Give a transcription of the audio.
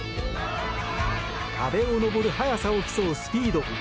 壁を登る速さを競うスピード。